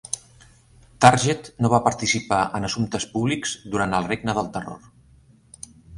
Target no va participar en assumptes públics durant el regne del terror.